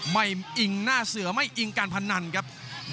ไม่อิงหน้าเสือไม่อิงการพนันครับ